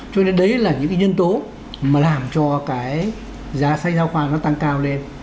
cho nên đấy là những cái nhân tố mà làm cho cái giá sách giáo khoa nó tăng cao lên